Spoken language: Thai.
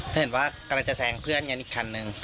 เธอกำลังจะแซงเพื่อนกันอีกครั้งหนึ่ง